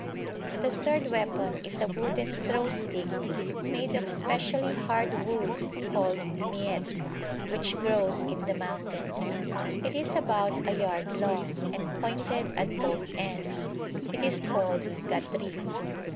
The third weapon is a wooden throw stick, made of a specially hard wood called miet, which grows in the mountains; it is about a yard long, and pointed at both ends; it is called ghatrif.